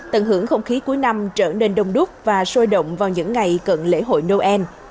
tận hưởng không khí cuối năm trở nên đông đúc và sôi động vào những ngày cận lễ hội noel